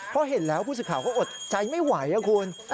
เพราะเห็นแล้วผู้สื่อข่าวก็อดใจไม่ไหวคุณ